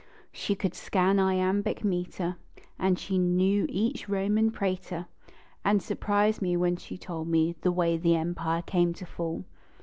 She could scan iambic meter And she knew each Roman praetor. And surprised me when she told the way the empire came to fall.